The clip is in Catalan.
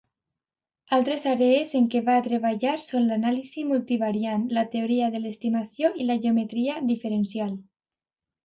Altres àrees en què va treballar són l'anàlisi multivariant, la teoria de l'estimació i la geometria diferencial.